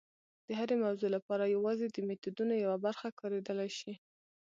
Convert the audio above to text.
د هرې موضوع لپاره یوازې د میتودونو یوه برخه کارېدلی شي.